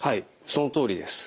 そのとおりです。